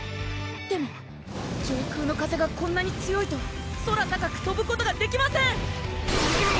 でも上空の風がこんなに強いと空高くとぶことができませんララ！